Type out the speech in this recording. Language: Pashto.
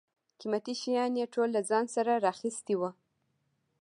قیمتي شیان یې ټول له ځان سره را اخیستي و.